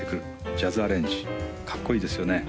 ジャズ・アレンジかっこいいですよね